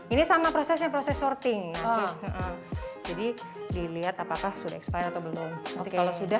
ini sama prosesnya proses shorting jadi dilihat apakah sudah expired atau belum nanti kalau sudah